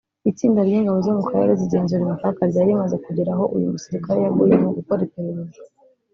itsinda ry’ingabo zo mu Karere zigenzura imipaka ryari rimaze kugera aho uyu musirikare yaguye mu gukora iperereza